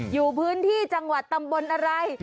อยู่พื้นที่จังหวัดตำบลอะไร